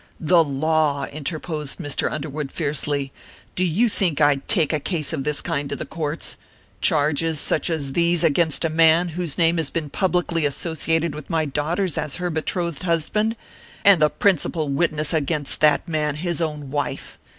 "The law!" interposed Mr. Underwood, fiercely; "do you think I'd take a case of this kind into the courts? Charges such as these against a man whose name has been publicly associated with my daughter's as her betrothed husband, and the principal witness against that man his own wife!